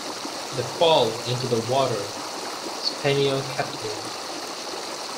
They fall into the water spaniel category.